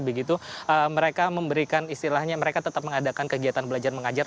begitu mereka memberikan istilahnya mereka tetap mengadakan kegiatan belajar mengajar